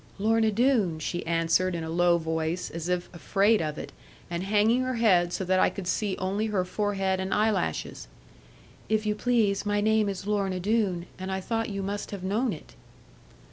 'Lorna Doone,' she answered, in a low voice, as if afraid of it, and hanging her head so that I could see only her forehead and eyelashes; 'if you please, my name is Lorna Doone; and I thought you must have known it.'